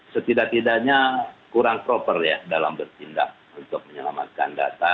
setidak tidaknya kurang proper ya dalam bertindak untuk menyelamatkan data